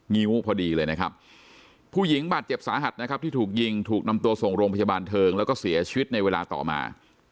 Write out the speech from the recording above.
งิ้วพอดีเลยนะครับผู้หญิงบาดเจ็บสาหัสนะครับที่ถูกยิงถูกนำตัวส่งโรงพยาบาลเทิงแล้วก็เสียชีวิตในเวลาต่อมา